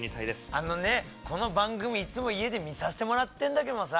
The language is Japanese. あのねこの番組いつも家で見させてもらってんだけどさ。